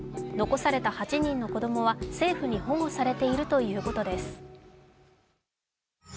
残された８人の子供は政府に保護されているということです。